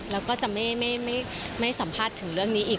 แล้วก็จะไม่สัมภาษณ์ถึงเรื่องนี้อีก